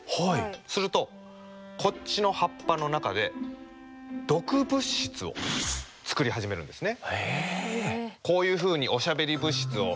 するとこっちの葉っぱの中で毒物質を作り始めるんですね。